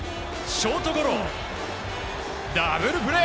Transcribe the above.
ショートゴロ、ダブルプレー。